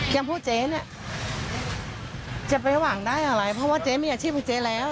พูดเจ๊เนี่ยจะไปหวังได้อะไรเพราะว่าเจ๊มีอาชีพของเจ๊แล้ว